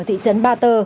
ở thị trấn ba tơ